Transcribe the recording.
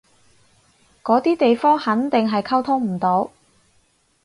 嗰啲地方肯定係溝通唔到